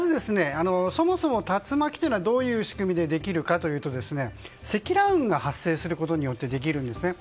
そもそも竜巻はどういう仕組みでできるかというと積乱雲が発生することによってできるんですね。